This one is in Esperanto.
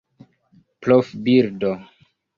profbildo